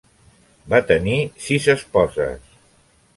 Va tenir sis esposes.